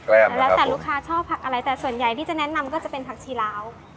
แล้วแต่ลูกค้าชอบผักอะไรแต่ส่วนใหญ่ที่จะแนะนำก็จะเป็นผักชีลาว